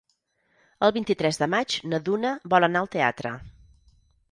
El vint-i-tres de maig na Duna vol anar al teatre.